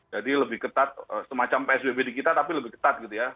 jadi lebih ketat semacam psbb di kita tapi lebih ketat gitu ya